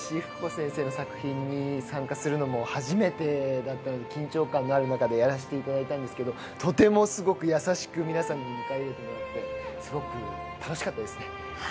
先生の作品に参加するのも初めてだったので、緊張感のある中でやらせてもらったんですが、とてもすごく優しく皆さんに迎え入れてもらってすごく楽しかったですね。